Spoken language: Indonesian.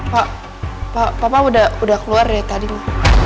pak papa udah keluar dari tadi nih